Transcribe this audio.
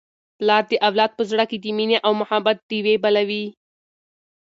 پلار د اولاد په زړه کي د مینې او محبت ډېوې بلوي.